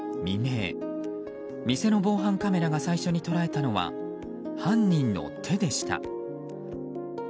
未明店の防犯カメラが最初に捉えたのは犯人の手でした。